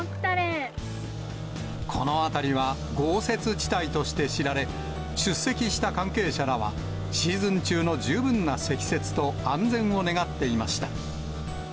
この辺りは豪雪地帯として知られ、出席した関係者らは、シーズン中の十分な積雪と安全を願っていました。